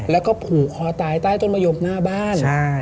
แล้วก็ผูกคอตายใต้ต้นมะยมหน้าบ้าน